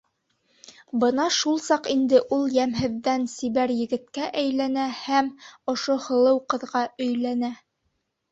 Бына шул саҡ инде ул йәмһеҙҙән сибәр егеткә әйләнә һәм ошо һылыу ҡыҙға әйләнә.